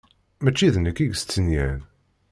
Mačči d nekk i yestenyan.